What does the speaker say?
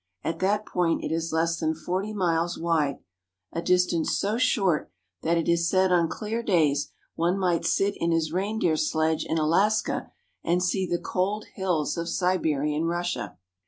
At that point it is less than forty miles wide, a distance so short that it is said on clear days one might sit in his reindeer sledge in Alaska and see the cold hills of Siberian Russia.